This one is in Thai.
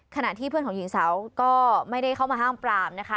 ขณะที่เพื่อนของหญิงสาวก็ไม่ได้เข้ามาห้ามปรามนะคะ